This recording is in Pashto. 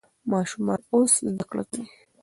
ماشومان اوس زده کړه کوي.